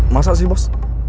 masa sih bos